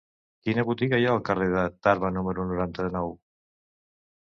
Quina botiga hi ha al carrer de Tarba número noranta-nou?